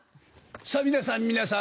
さぁ皆さん皆さん